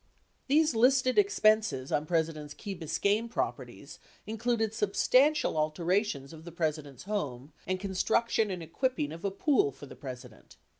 These listed expenses on President Nixon's Key Bis cayne properties included substantial alterations of the President's home and construction and equipping of a pool for the President.